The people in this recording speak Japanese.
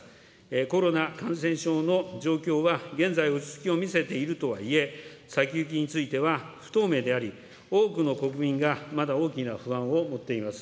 コロナ感染症の状況は、現在落ち着きを見せているとはいえ、先行きについては不透明であり、多くの国民がまだ大きな不安を持っております。